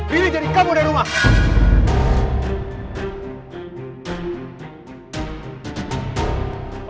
pilih jadi kamu dari rumah